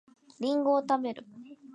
りんごを食べる